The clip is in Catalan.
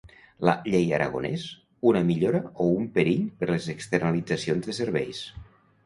La ‘llei Aragonès’: una millora o un perill per les externalitzacions de serveis?